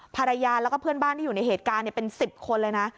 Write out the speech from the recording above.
ภรรยาแล้วก็เพื่อนบ้านที่อยู่ในเหตุการณ์เป็น๑๐คนเลยนะ